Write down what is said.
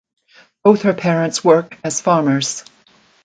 Both her parents work as farmers.